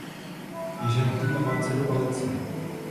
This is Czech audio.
Je ženatý a má dceru Alici.